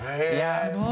すごい。